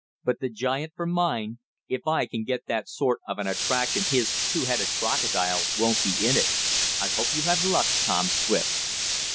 But the giant for mine! If I get that sort of an attraction his two headed crocodile won't be in it. I hope you have luck, Tom Swift."